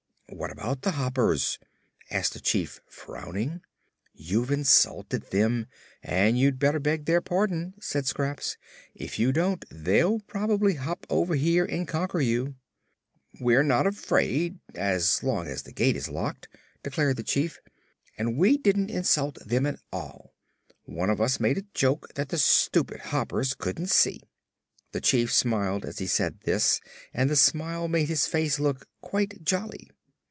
"What about the Hoppers?" asked the Chief, frowning. "You've insulted them, and you'd better beg their pardon," said Scraps. "If you don't, they'll probably hop over here and conquer you." "We're not afraid as long as the gate is locked," declared the Chief. "And we didn't insult them at all. One of us made a joke that the stupid Hoppers couldn't see." The Chief smiled as he said this and the smile made his face look quite jolly.